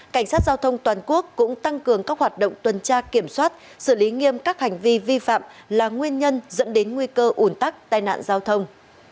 cảnh sát giao thông toàn quốc cũng tăng cường các hoạt động tuần tra kiểm soát xử lý nghiêm các hành vi vi phạm là nguyên nhân dẫn đến nguy cơ ủn tắc tai nạn giao thông